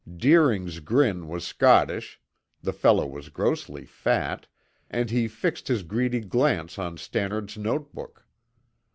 Deering's grin was sottish, the fellow was grossly fat, and he fixed his greedy glance on Stannard's note book.